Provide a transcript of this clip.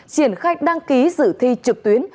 triển khách đăng ký dự thi trực tuyến